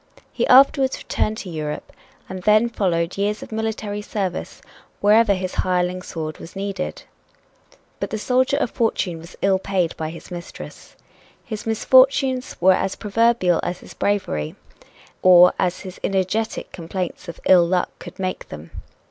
He afterwards returned to Europe, and then followed years of military service wherever his hireling sword was needed. But the soldier of fortune was ill paid by his mistress. His misfortunes were as proverbial as his bravery, or as his energetic complaints of "ill luck" could make them.